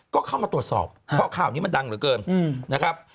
ก็เข้ามาตรวจสอบเพราะข่าวนี้มันดังเหลือเกินนะครับ